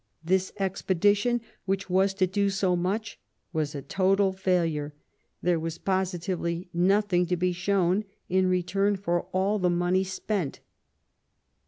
This expedition, which was to do so much, was a total failure — there was positively nothing to be shown in return for all the money spent.